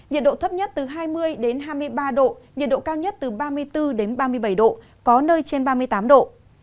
nhiệt độ thấp nhất từ hai mươi hai mươi ba độ nhiệt độ cao nhất từ ba mươi bốn ba mươi bảy độ có nơi trên ba mươi tám độ